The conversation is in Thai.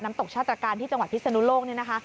ตกชาตรการที่จังหวัดพิศนุโลกเนี่ยนะคะ